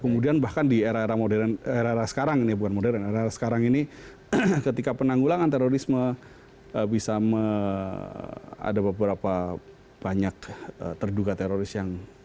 kemudian bahkan di era era modern era era sekarang ini bukan modern era sekarang ini ketika penanggulangan terorisme bisa ada beberapa banyak terduga teroris yang